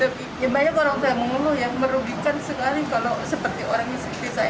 banyak orang orang yang merugikan sekali kalau seperti orang di sekitir saya